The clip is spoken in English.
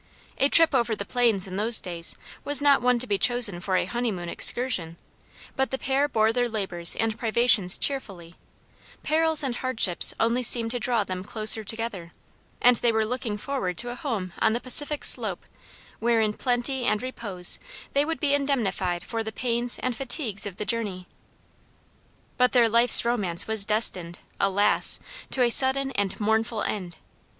A trip over the plains in those days was not one to be chosen for a honey moon excursion but the pair bore their labors and privations cheerfully; perils and hardships only seemed to draw them closer together, and they were looking forward to a home on the Pacific slope where in plenty and repose they would be indemnified for the pains and fatigues of the journey. But their life's romance was destined, alas! to a sudden and mournful end.